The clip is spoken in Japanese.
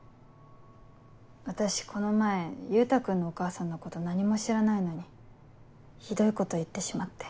私この前優太君のお母さんのこと何も知らないのにひどいこと言ってしまって。